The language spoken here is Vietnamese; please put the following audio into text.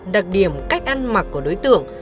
đặc điểm cách ăn mặc của đối tượng